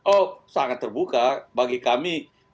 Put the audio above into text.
oh sangat terbuka bagi kami